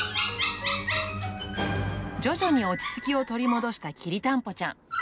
徐々に落ち着きを取り戻したきりたんぽちゃん。